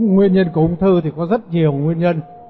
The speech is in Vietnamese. nguyên nhân của ung thư thì có rất nhiều nguyên nhân